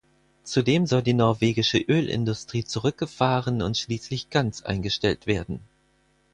Zudem soll die norwegische Ölindustrie zurückgefahren und schließlich ganz eingestellt werden.